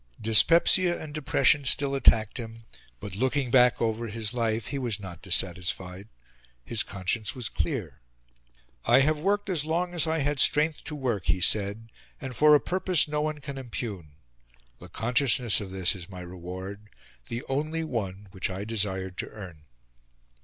Dyspepsia and depression still attacked him; but, looking back over his life, he was not dissatisfied. His conscience was clear. "I have worked as long as I had strength to work," he said, "and for a purpose no one can impugn. The consciousness of this is my reward the only one which I desired to earn."